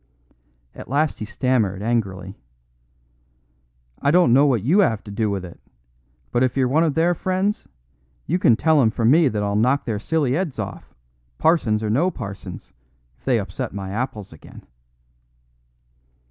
At last he stammered angrily: "I don't know what you 'ave to do with it, but if you're one of their friends, you can tell 'em from me that I'll knock their silly 'eads off, parsons or no parsons, if they upset my apples again."